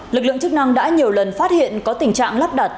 lực lượng chức năng đã nhiều lần phát hiện có tình trạng lắp đặt